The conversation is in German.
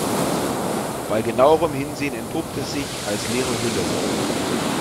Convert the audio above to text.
Bei genauerem Hinsehen entpuppt es sich als leere Hülle.